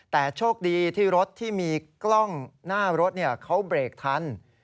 แต่โชคดีที่รถที่มีกล้องหน้ารถเขาเบรกทัน